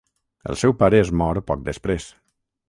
El seu pare es mor poc després.